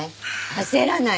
焦らないで。